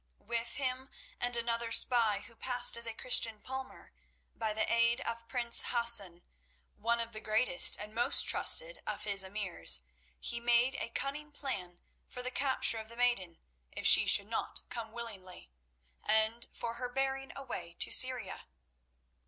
With him and another spy who passed as a Christian palmer, by the aid of Prince Hassan, one of the greatest and most trusted of his Emirs, he made a cunning plan for the capture of the maiden if she would not come willingly, and for her bearing away to Syria.